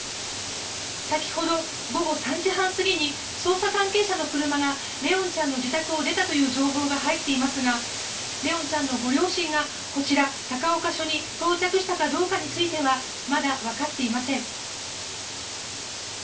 先ほど、午後３時半過ぎに捜査関係者の車が怜音ちゃんの自宅を出たという情報が入っていますが怜音ちゃんのご両親がこちら、高岡署に到着したかどうかについてはまだわかっていません。